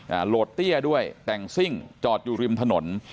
โหลดเตี้ยด้วยแต่งซิ่งจอดอยู่ริมถนน